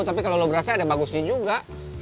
tapi kalo lu berasa ada yang bagus di situ juga